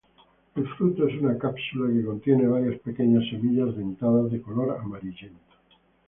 El fruto es una cápsula que contiene varias pequeñas semillas dentadas de color amarillento.